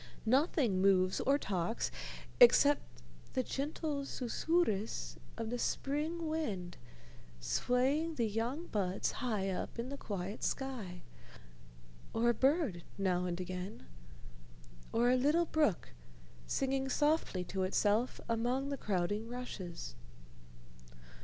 Nothing moves or talks, except the gentle susurrus of the spring wind swaying the young buds high up in the quiet sky, or a bird now and again, or a little brook singing softly to itself among the crowding rushes.